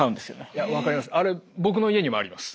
いや分かります